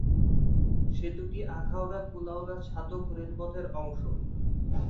সেতুটি আখাউড়া-কুলাউড়া-ছাতক রেলপথের অংশ।